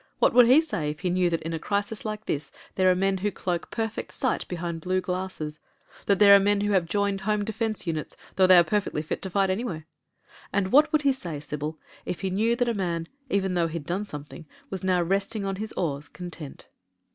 What would he say if he knew that in a crisis like this there are men who cloak perfect sight behind blue glasses ; that there are men who have joined home defence units though they are perfectly fit to fight anywhere? And what would he say, Sybil, if he knew that a man, even though he'd done something, was now resting on his oars — content